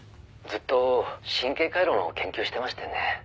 「ずっと神経回路の研究をしてましてね」